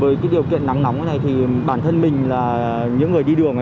với điều kiện nóng nóng này thì bản thân mình là những người đi đường